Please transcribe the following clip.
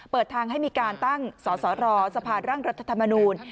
เปิดทางให้มีการตั้งสสรสะพานร่างรัฐธรรมนูล